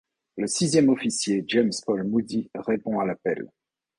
Le sixième officier James Paul Moody répond à l'appel.